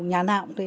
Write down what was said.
nhà nạ cũng thế